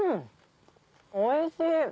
おいしい！